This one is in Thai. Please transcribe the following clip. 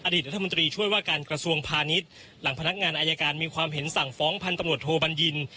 รัฐมนตรีช่วยว่าการกระทรวงพาณิชย์หลังพนักงานอายการมีความเห็นสั่งฟ้องพันธุ์ตำรวจโทบัญญิน